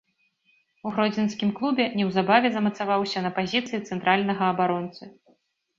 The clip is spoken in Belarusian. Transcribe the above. У гродзенскім клубе неўзабаве замацаваўся на пазіцыі цэнтральнага абаронцы.